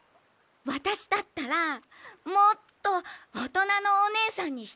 わたしだったらもっとおとなのおねえさんにしてあげられるわよ。